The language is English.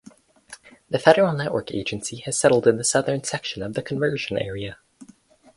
The Federal Network Agency has settled in the southern section of the conversion area.